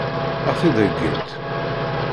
Ad ɣ-t-id-heggimt?